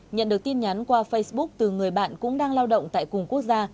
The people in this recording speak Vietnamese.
nhận được tin nhắn qua facebook từ người bạn cũng đang lao động tại cùng quốc gia